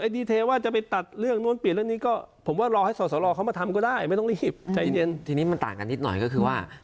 เดินหน้าเป็นอย่างนี้อยู่แล้ว